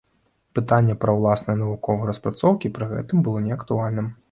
Пытанне пра ўласныя навуковыя распрацоўкі пры гэтым было не актуальным.